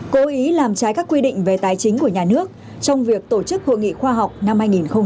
cố ý làm trái các quy định về tài chính của nhà nước trong việc tổ chức hội nghị khoa học năm hai nghìn một mươi chín